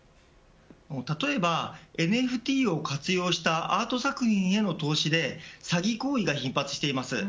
例えばＮＦＴを活用したアート作品への投資で詐欺行為が頻発しています。